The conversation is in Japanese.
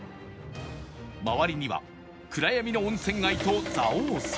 周りには暗闇の温泉街と蔵王山